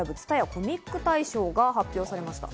コミック大賞が発表されました。